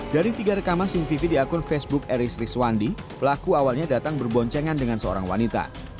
dari tiga rekaman cctv di akun facebook eris rizwandi pelaku awalnya datang berboncengan dengan seorang wanita